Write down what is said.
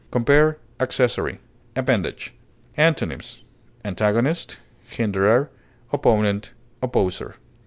Compare ACCESSORY; APPENDAGE. Antonyms: antagonist, hinderer, opponent, opposer.